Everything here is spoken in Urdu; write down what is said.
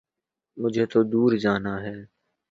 مجھے تو دور جانا ہے